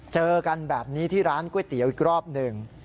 เจอกันแบบนี้ที่ร้านก๋วยเตี๋ยวอีกรอบหนึ่ง